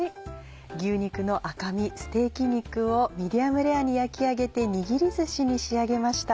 牛肉の赤身ステーキ肉をミディアムレアに焼き上げてにぎりずしに仕上げました。